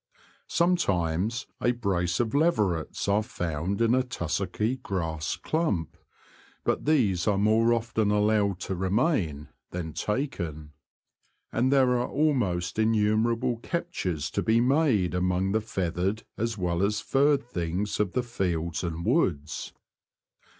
Sometimes a brace of leverets are found in a tussocky grass clump, but these are more often allowed to remain than taken. And there are almost The Confessions of a T^oacher. 1 7 innumerable captures to be made among the feathered as well as furred things of the fields and woods.